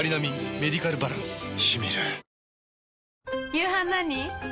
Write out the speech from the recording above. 夕飯何？